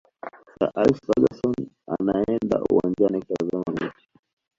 sir alex ferguson anaenda uwanjani kutazama mechi